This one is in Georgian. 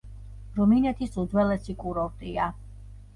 რუმინეთის უძველესი კურორტია.